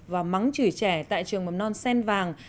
và mắng chửi trẻ tại trường mầm non sen vàng